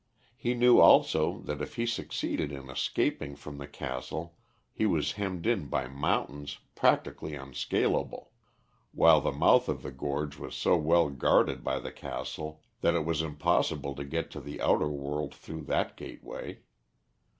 He knew also that if he succeeded in escaping from the castle he was hemmed in by mountains practically unscalable, while the mouth of the gorge was so well guarded by the castle that it was impossible to get to the outer world through that gateway.